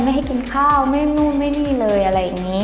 ให้กินข้าวไม่นู่นไม่นี่เลยอะไรอย่างนี้